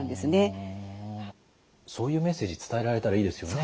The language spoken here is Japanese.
そういうメッセージ伝えられたらいいですよね。